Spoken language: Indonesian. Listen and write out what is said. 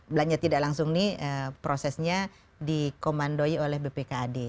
belanja tidak langsung ini prosesnya dikomandoi oleh bpkad